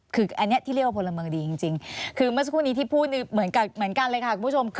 คืออันนี้ที่เรียกว่าพลเมืองดีจริงคือเมื่อสักครู่นี้ที่พูดเหมือนกันเลยค่ะคุณผู้ชม